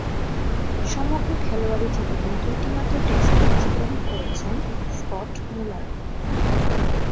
সমগ্র খেলোয়াড়ী জীবনে দুইটিমাত্র টেস্টে অংশগ্রহণ করেছেন স্কট মুলার।